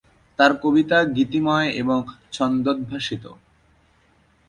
তার কবিতা গীতিময় এবং ছন্দোদ্ভাসিত।